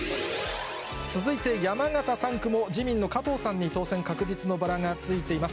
続いて山形３区も自民の加藤さんに当選確実のバラがついています。